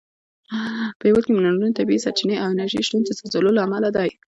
په هېواد کې منرالونه، طبیعي سرچینې او انرژي شتون د زلزلو له امله دی.